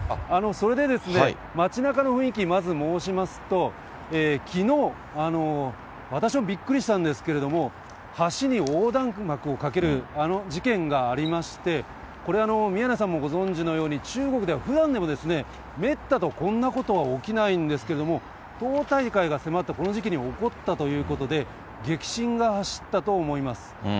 それで、街なかの雰囲気、まず申しますと、きのう、私もびっくりしたんですけど、橋に横断幕をかけるあの事件がありまして、これ、宮根さんもご存じのように、中国では普段でもめったとこんなことは起きないんですけれども、党大会が迫ったこの時期に起こったということで、激震が走ったと思います。